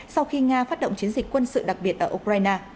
sau khi nga phát động chiến dịch quân sự đặc biệt ở ukraine